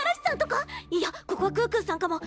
いやここは可可さんかも。